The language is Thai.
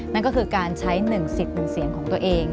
นั่นก็คือการใช้หนึ่งสิทธิ์หนึ่งเสี่ยงของตัวเอง